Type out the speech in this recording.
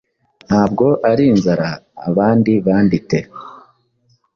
Ntabwo ari inzara Abandi bandite,